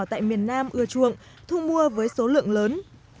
tại miền nam ưa chuộng thu mua với số lượng lớn